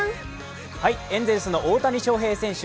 エンゼルスの大谷翔平選手。